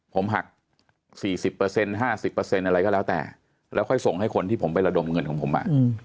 ผมหัก๔๐๕๐อะไรก็แล้วแต่แล้วค่อยส่งให้คนที่ผมไประดมเงินของผม